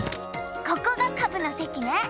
ここがカブのせきね。